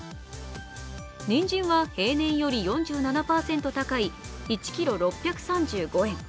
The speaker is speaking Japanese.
にんじんは平年より４７％高い、１ｋｇ６３５円。